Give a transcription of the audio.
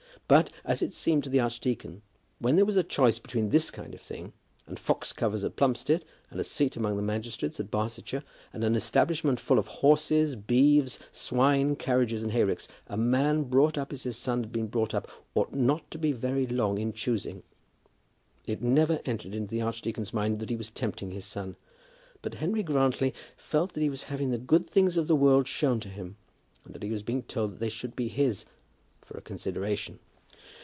But, as it seemed to the archdeacon, when there was a choice between this kind of thing, and fox covers at Plumstead, and a seat among the magistrates of Barsetshire, and an establishment full of horses, beeves, swine, carriages, and hayricks, a man brought up as his son had been brought up ought not to be very long in choosing. It never entered into the archdeacon's mind that he was tempting his son; but Henry Grantly felt that he was having the good things of the world shown to him, and that he was being told that they should be his for a consideration.